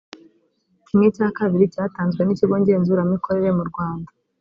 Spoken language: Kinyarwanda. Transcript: kimwe cya kabiri cyatanzwe n ikigo ngezuramikorere mu rwanda